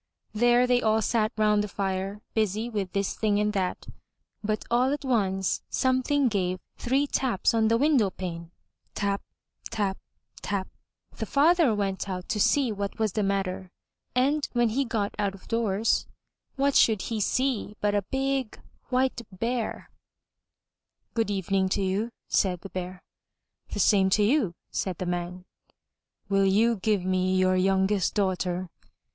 There they all sat round the fire, busy with this thing and that. But all at once, something gave three taps on the window pane — tap! tap! tap! The father went out to see what was the matter, and, when he got out of doors, what should he see but a big, White Bear. 399 MY BOOK HOUSE "Good evening to you," said the Bear, ''The same to you/' said the man. ''Will you give me your youngest daughter?